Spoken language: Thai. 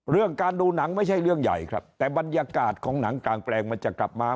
เรื่องการดูหนังไม่ใช่เรื่องใหญ่ครับแต่บรรยากาศของหนังกลางแปลงมันจะกลับมา